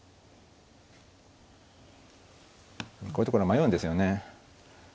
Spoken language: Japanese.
こういうところ迷うんですよね。